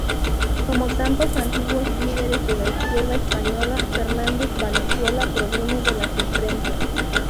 Como tantos antiguos líderes de la izquierda española, Fernández Valenzuela proviene de las imprentas.